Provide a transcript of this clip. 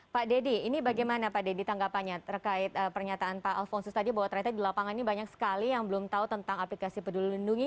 pak deddy ini bagaimana pak deddy tanggapannya terkait pernyataan pak alfonsus tadi bahwa ternyata di lapangan ini banyak sekali yang belum tahu tentang aplikasi peduli lindungi